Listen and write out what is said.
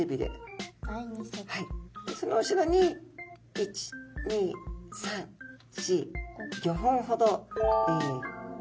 その後ろに１２３４５本ほど小離鰭はなれ